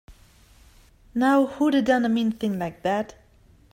Now who'da done a mean thing like that?